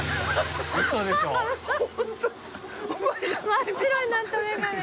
真っ白になったメガネ。